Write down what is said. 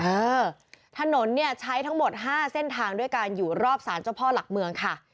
เออถนนเนี่ยใช้ทั้งหมด๕เส้นทางด้วยการอยู่รอบสารเจ้าพ่อหลักเมืองค่ะ